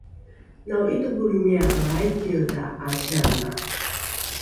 nao’itovolrimia’e aikiedha ’asiana?